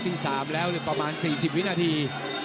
ที่๓แล้วประมาณ๔๐วินาที